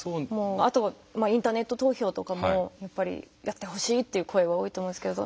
あとインターネット投票とかもやっぱりやってほしいっていう声は多いと思いますけど。